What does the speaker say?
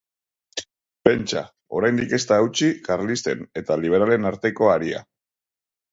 Pentsa, oraindik ez da hautsi karlisten eta liberalen arteko haria.